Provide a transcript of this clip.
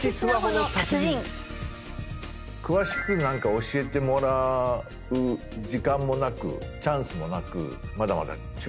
詳しくなんか教えてもらう時間もなくチャンスもなくまだまだ中途半端な。